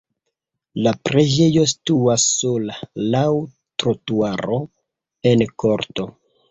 La preĝejo situas sola laŭ trotuaro en korto.